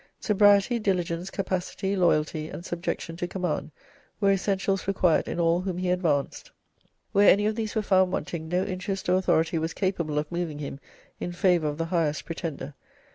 Sobriety, diligence, capacity, loyalty, and subjection to command were essentials required in all whom he advanced. Where any of these were found wanting, no interest or authority was capable of moving him in favour of the highest pretender.